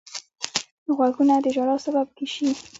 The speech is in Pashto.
غوږونه د ژړا سبب شي